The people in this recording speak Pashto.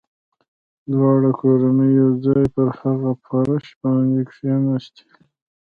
دواړه کورنۍ يو ځای پر هغه فرش باندې کښېناستلې.